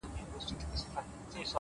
سم لكه ماهى يو سمندر تر ملا تړلى يم!